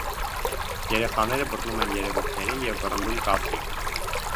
Երեխաները բռնում են երևույթներին և վռնդում կատվին։